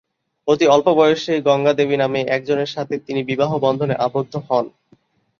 অতি অল্প বয়সেই গঙ্গা দেবী নামে একজনের সাথে তিনি বিবাহ বন্ধনে আবদ্ধ হন।